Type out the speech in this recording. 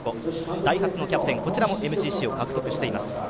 ダイハツのキャプテン、こちらもＭＧＣを獲得しています。